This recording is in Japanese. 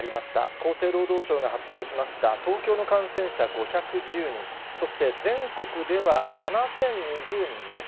厚生労働省が発表しました東京の感染者５１０人、そして全国では７０２０人です。